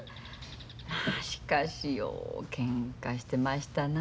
まあしかしようけんかしてましたな。